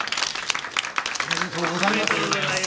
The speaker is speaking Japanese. おめでとうございます。